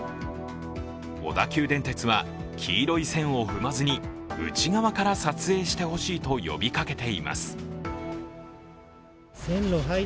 小田急電鉄は黄色い線を踏まずに内側から撮影してほしいと呼びかけています。